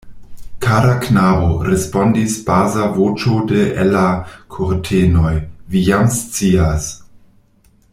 Kara knabo, respondis basa voĉo de el la kurtenoj, vi jam scias.